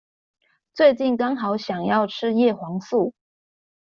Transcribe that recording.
最近剛好想要吃葉黃素